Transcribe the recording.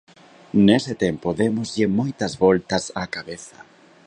Nese tempo démoslle moitas voltas á cabeza.